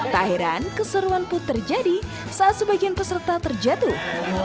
tak heran keseruan pun terjadi saat sebagian peserta terjatuh